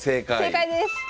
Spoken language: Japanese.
正解です！